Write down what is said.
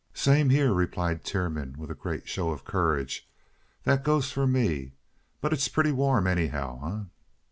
"Same here," replied Tiernan, with a great show of courage. "That goes for me. But it's putty warm, anyhow, eh?"